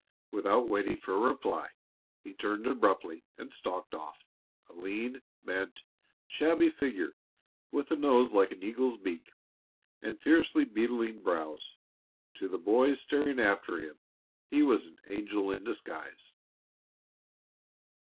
Without waiting for a reply, he turned abruptly and stalked off, a lean, bent, shabby figure with a nose like an eagle's beak and fiercely beetling brows. To the boys staring after him he was an angel in disguise.